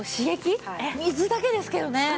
水だけですけどね